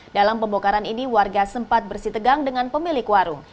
dalam pembokaran ini warga sempat bersitegang dengan pemilik warung